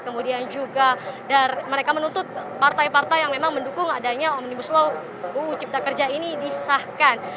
kemudian juga mereka menuntut partai partai yang memang mendukung adanya omnibus law uu cipta kerja ini disahkan